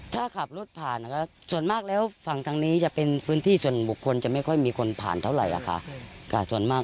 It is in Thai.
ถ้าขับรถผ่านส่วนมากแล้วฝั่งทางนี้จะเป็นพื้นที่ส่วนบุคคลจะไม่ค่อยมีคนผ่านเท่าไหร่ค่ะ